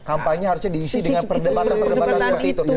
kampanye harusnya diisi dengan perdebatan perdebatan seperti itu